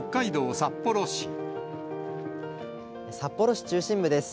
札幌市中心部です。